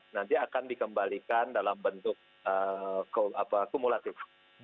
nanti akan dikembalikan dalam bentuk kumulatif